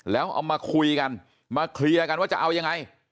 แล้วเอามาคุยกันมาเคลียร์กันว่าจะเอายังไง